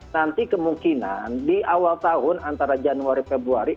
nanti kemungkinan di awal tahun antara januari februari